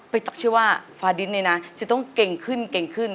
ต๊อกเชื่อว่าฟ้าดินเนี่ยนะจะต้องเก่งขึ้นเก่งขึ้น